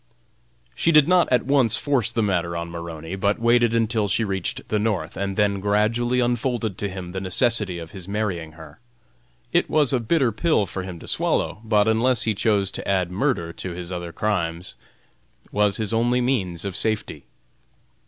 She did not at once force the matter on Maroney, but waited until she reached the North, and then gradually unfolded to him the necessity of his marrying her. It was a bitter pill for him to swallow, but unless he chose to add murder to his other crimes, was his only means of safety.